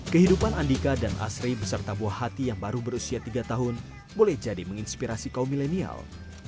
kehidupan andika dan asri beserta buah hati yang baru berusia tiga tahun boleh jadi menginspirasi kaum milenial